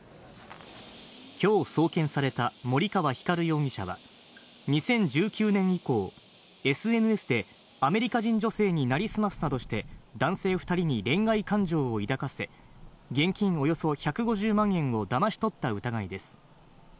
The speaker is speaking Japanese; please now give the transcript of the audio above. きょう送検された森川光容疑者は、２０１９年以降、ＳＮＳでアメリカ人女性になりすますなどして、男性２人に恋愛感情を抱かせ、現金およそ１５０万円をだまし取った疑いです。